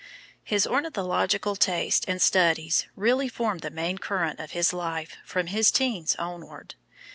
His ornithological tastes and studies really formed the main current of his life from his teens onward.